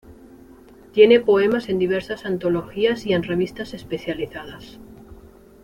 Tiene poemas en diversas antologías y en revistas especializadas.